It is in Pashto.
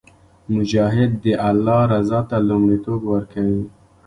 مجاهد د الله رضا ته لومړیتوب ورکوي.